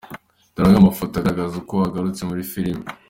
Dore amwe mu mafoto agaragaza uko agarute muri Filime.